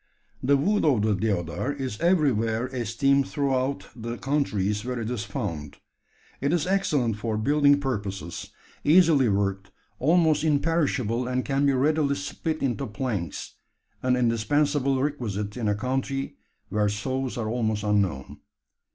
The wood of the deodar is everywhere esteemed throughout the countries where it is found. It is excellent for building purposes, easily worked, almost imperishable, and can be readily split into planks an indispensable requisite in a country where saws are almost unknown.